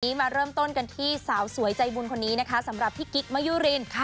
วันนี้มาเริ่มต้นกันที่สาวสวยใจบุญคนนี้นะคะสำหรับพี่กิ๊กมะยุริน